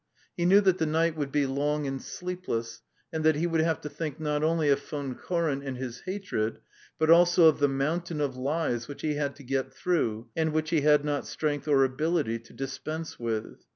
... He knew that the night would be long and sleepless, and that he would have to think not only of Von Koren and his hatred, but also of the mountain of lies which he had to get through, and which he had not strength or ability to dispense with.